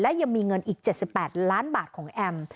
และยังมีเงินอีก๗๘ล้านบาทของแอม